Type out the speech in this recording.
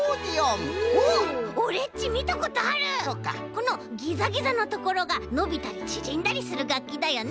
このギザギザのところがのびたりちぢんだりするがっきだよね。